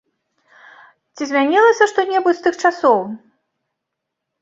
Ці змянілася што-небудзь з тых часоў?